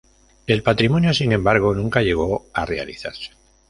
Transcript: El matrimonio, sin embargo, nunca llegó a realizarse.